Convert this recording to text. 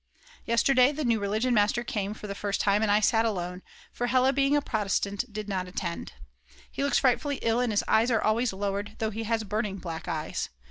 Yesterday the new Religion master came for the first time, and I sat alone, for Hella being a Protestant did not attend. He looks frightfully ill and his eyes are always lowered though he has burning black eyes.